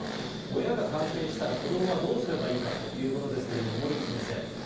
親が感染したら、子どもはどうすればいいかということですけれども、森内先生。